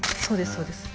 そうです